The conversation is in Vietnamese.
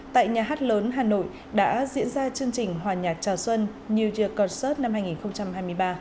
tại nhà hát lớn hà nội đã diễn ra chương trình hòa nhạc chào xuân new year concert năm hai nghìn hai mươi ba